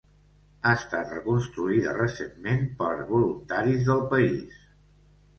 Ha estat reconstruïda recentment per voluntaris del país.